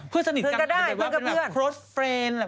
เพื่อนสนิทกันก็ได้เพื่อนกับเพื่อน